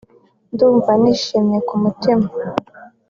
“Ndumva nishimye ku mutima